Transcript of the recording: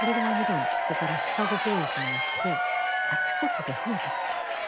それからシカゴ・ボーイズによってあちこちで増えてきた。